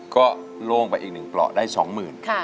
ก็โล่งไปอีกหนึ่งเปล่าได้สองหมื่น